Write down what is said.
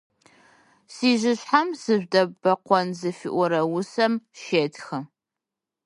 «Сижъышъхьэм сыжъудэбэкъон» зыфиӏорэ усэм щетхы.